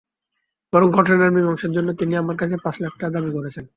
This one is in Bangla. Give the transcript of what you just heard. বরং ঘটনার মীমাংসার জন্য তিনি আমার কাছে পাঁচ লাখ টাকা দাবি করেছেন।